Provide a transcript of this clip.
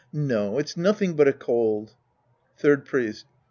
No, it's nothing but a cold. Third Priest.